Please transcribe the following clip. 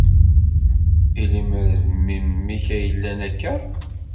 I lemmer d memmi-k ay yellan akka?